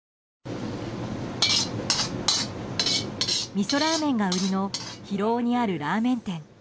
みそラーメンが売りの広尾にあるラーメン店。